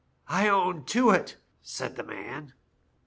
' I own to it/ said the man.